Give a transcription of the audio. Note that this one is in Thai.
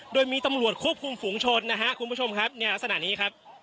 โดยมีตำรวจควบคุมฝูงชนนะฮะคุณผู้ชมครับเนี่ยลักษณะนี้ครับ